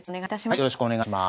よろしくお願いします。